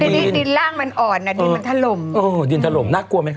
ดินล่างมันอ่อนดินมันถล่มดินถล่มน่ากลัวไหมคะ